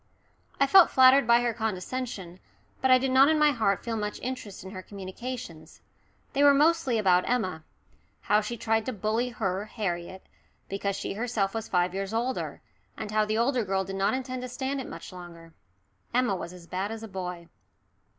I felt flattered by her condescension, but I did not in my heart feel much interest in her communications. They were mostly about Emma how she tried to bully her, Harriet, because she herself was five years older, and how the younger girl did not intend to stand it much longer. Emma was as bad as a boy.